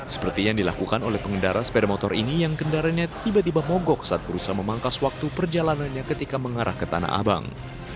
seperti yang dilakukan oleh pengendara sepeda motor ini yang kendaraannya tiba tiba mogok saat berusaha memangkas waktu perjalanannya ketika mengarah ke tanah abang